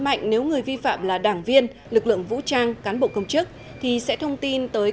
mạnh nếu người vi phạm là đảng viên lực lượng vũ trang cán bộ công chức thì sẽ thông tin tới